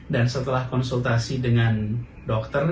dan setelah konsultasi dengan dokter